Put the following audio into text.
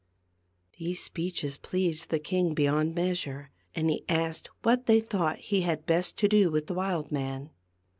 These speeches pleased the king beyond measure, and he asked what they thought he had best do with the wild man.